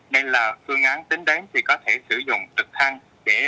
nên là phương án tính đến thì có thể sử dụng trực thăng để tiếp tế cho người dân